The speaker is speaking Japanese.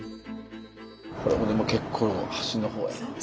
これもでも結構端の方やで。